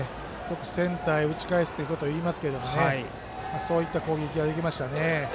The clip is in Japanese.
センターへ打ち返すということをよくいいますけどそういった攻撃ができましたね。